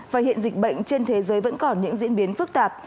và hiện dịch bệnh trên thế giới vẫn còn những diễn biến phức tạp